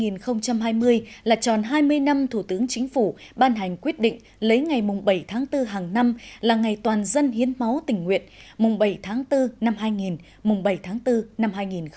năm hai nghìn hai mươi là tròn hai mươi năm thủ tướng chính phủ ban hành quyết định lấy ngày mùng bảy tháng bốn hàng năm là ngày toàn dân hiến máu tình nguyện mùng bảy tháng bốn năm hai nghìn mùng bảy tháng bốn năm hai nghìn hai mươi